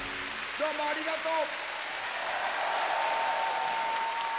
どうもありがとう！